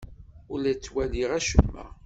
Ur la ttwaliɣ acemma.